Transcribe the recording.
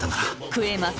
食えます！